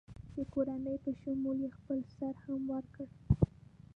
د کورنۍ په شمول یې خپل سر هم ورکړ.